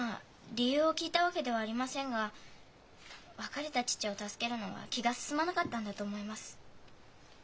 理由を聞いたわけではありませんが別れた父を助けるのは気が進まなかったんだと思います。